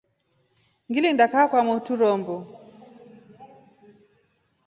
Ngilinda kaa kwa mwotru rombo.